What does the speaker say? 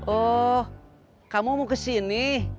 oh kamu mau kesini